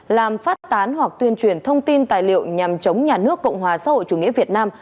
làm phát tán hoặc tuyên truyền thông tin tài liệu nhằm chống nhà nước cộng hòa xã hội chủ nghĩa việt nam